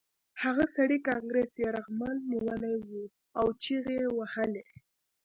هغه سړي کانګرس یرغمل نیولی و او چیغې یې وهلې